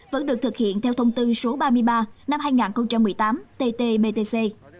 vẫn được thực hiện theo thông tư số ba mươi ba năm hai nghìn một mươi tám ttbtc